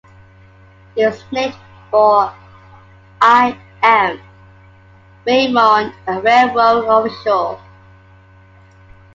It was named for I. M. Raymond, a railroad official.